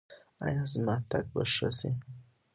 ایا زما تګ به ښه شي؟